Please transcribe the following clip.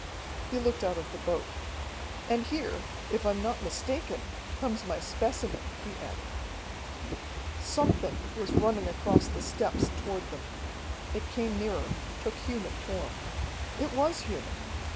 He looked out of the boat. "And here, if I'm not mistaken, comes my specimen," he added. Something was running across the steppes toward them. It came nearer, took human form. It was human!